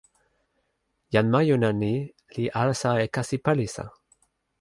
jan majuna ni li alasa e kasi palisa.